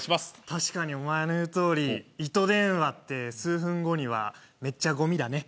確かに、おまえの言うとおり糸電話って数分後にはめっちゃごみだね。